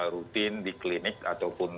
rutin di klinik ataupun